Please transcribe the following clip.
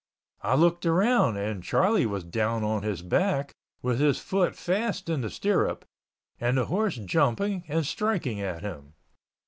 I looked around and Charlie was down on his back with his foot fast in the stirrup, and the horse jumping and striking at him.